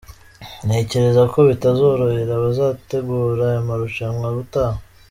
Ntekereza ko bitazorohera abazategura aya marushanwa ubutaha.”